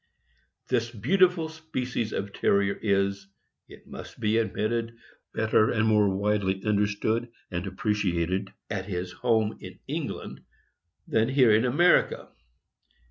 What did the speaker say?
This beautiful species of Terrier is, it must be admitted, better and more widely understood and appreciated at nis home, in England, than here in America.